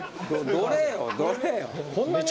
どれよ？